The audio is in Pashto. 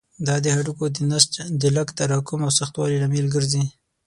دا د هډوکو د نسج د لږ تراکم او سختوالي لامل ګرځي.